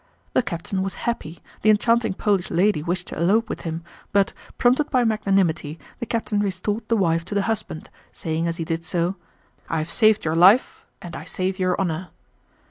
The captain was happy, the enchanting Polish lady wished to elope with him, but, prompted by magnanimity, the captain restored the wife to the husband, saying as he did so: "I have saved your life, and I save your honor!"